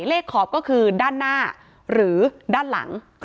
ขอบก็คือด้านหน้าหรือด้านหลัง